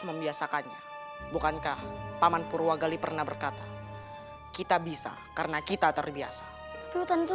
membiasakannya bukankah paman purwagali pernah berkata kita bisa karena kita terbiasa hutan itu